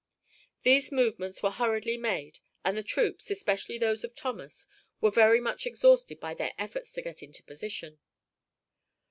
These movements were hurriedly made, and the troops, especially those of Thomas, were very much exhausted by their efforts to get into position.